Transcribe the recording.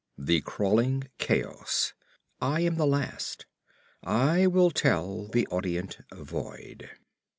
. the crawling chaos ... I am the last. .. I will tell the audient void